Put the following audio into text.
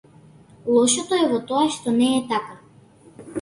Лошото е во тоа што не е така.